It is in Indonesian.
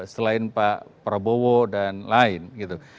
selain pak prabowo dan lain gitu